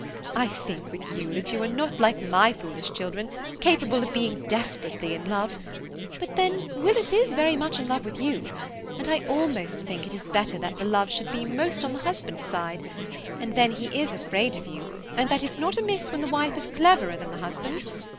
I think, with you, that you are not like my foolish children, capable of being desperately in love; but then Willis is very much in love with you, and I almost think it is better that the love should be most on the husband's side; and then he is afraid of you, and that is not amiss when the wife is cleverer than the husband.